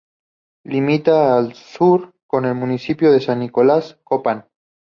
Limita al Sur con el Municipio de San Nicolás, Copán.